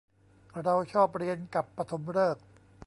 เราชอบเรียนกับปฐมฤกษ์